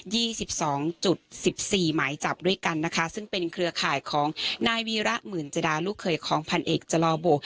สิบสองจุดสิบสี่หมายจับด้วยกันนะคะซึ่งเป็นเครือข่ายของนายวีระหมื่นจดาลูกเคยของพันเอกจลอโบ